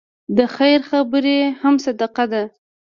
د خیر خبرې هم صدقه ده.